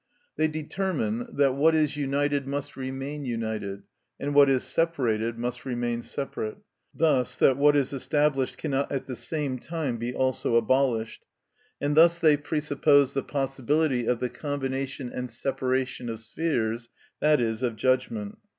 They determine that what is united must remain united, and what is separated must remain separate, thus that what is established cannot at the same time be also abolished, and thus they presuppose the possibility of the combination and separation of spheres, i.e., of judgment.